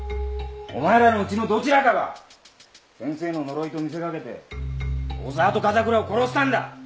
お前らのうちのどちらかが先生の呪いと見せ掛けて小沢と風倉を殺したんだ！